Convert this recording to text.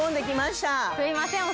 すみません。